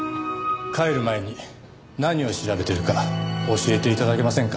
帰る前に何を調べてるか教えて頂けませんか？